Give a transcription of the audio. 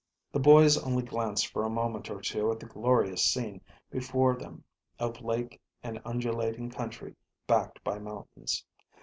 The boys only glanced for a moment or two at the glorious scene before them of lake and undulating country backed by mountains.